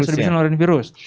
iya sudah bisa menularin virus